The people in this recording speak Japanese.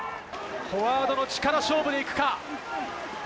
フォワードの力勝負でいくか。